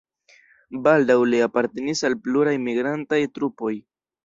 Baldaŭ li apartenis al pluraj migrantaj trupoj.